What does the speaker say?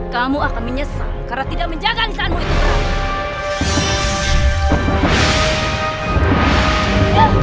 kamu akan menyesal karena tidak menjaga nisamu itu kak